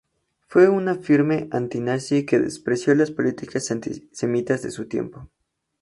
Fue una firme anti-nazi que despreció las políticas antisemitas de su tiempo.